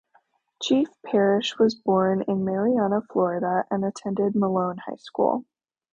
Chief Parish was born in Marianna, Florida, and attended Malone High School.